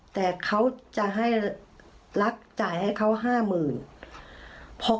แต่เขาจะให้รักจ่ายให้เขา๕๐๐๐บาท